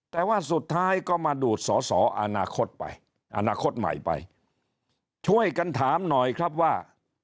แต่ว่าสุดท้ายก็มาดูดสอสออนาคตไปอนาคตใหม่ไปช่วยกันถามหน่อยครับว่า